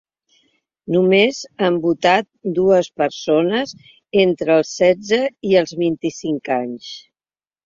Només han votat dues persones entre els setze i els vint-i-cinc anys.